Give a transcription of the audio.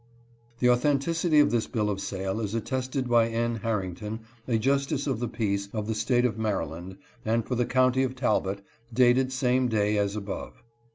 The authenticity of this bill of sale is attested by N. Harrington, a justice of the peace of the State of Maryland and for the county of Talbot, dated same day as above.